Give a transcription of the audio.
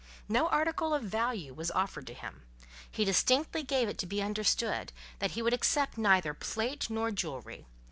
No article of value was offered to him: he distinctly gave it to be understood, that he would accept neither plate nor jewellery.